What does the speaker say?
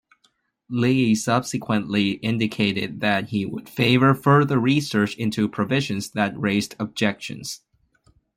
Leahy subsequently indicated that he would favor further research into provisions that raised objections.